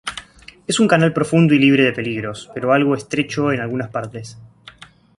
Es un canal profundo y libre de peligros, pero algo estrecho en algunas partes.